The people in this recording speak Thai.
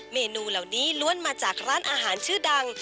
เมนูเหล่านี้ล้วนมาจากร้านอาหารชื่อดัง